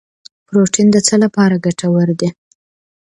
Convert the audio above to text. پروټین د څه لپاره ګټور دی